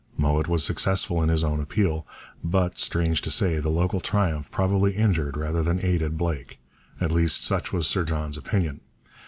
Mowat was successful in his own appeal. But, strange to say, the local triumph probably injured rather than aided Blake. At least such was Sir John's opinion.